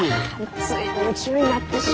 つい夢中になってしもうた。